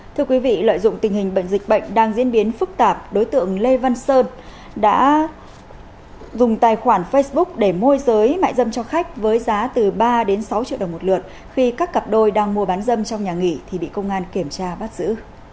thưa quý vị lợi dụng tình hình bệnh dịch bệnh đang diễn biến phức tạp đối tượng lê văn sơn đã dùng tài khoản facebook để môi giới mại dâm cho khách với giá từ ba đến sáu triệu đồng một lượt khi các cặp đôi đang mua bán dâm trong nhà nghỉ thì bị công an kiểm tra bắt giữ